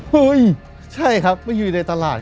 เฮ้ยใช่ครับมาอยู่ในตลาด